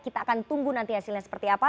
kita akan tunggu nanti hasilnya seperti apa